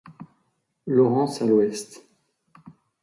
Lawrence à l'ouest.